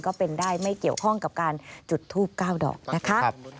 ก็เป็นได้ไม่เกี่ยวข้องกับการจุดทูบ๙ดอกนะคะ